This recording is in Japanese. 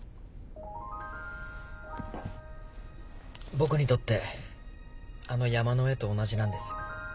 僕にとってあの山の上と同じなんです。